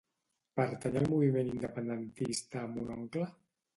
Pertany al moviment independentista mon oncle?